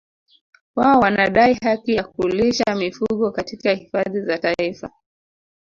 Wao wanadai haki ya kulisha mifugo katika hifadhi za Taifa